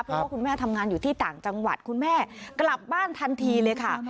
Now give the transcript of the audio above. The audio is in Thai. เพราะว่าคุณแม่ทำงานอยู่ที่ต่างจังหวัดคุณแม่กลับบ้านทันทีเลยค่ะ